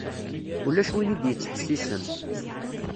Ulac win i d-yettḥessisen.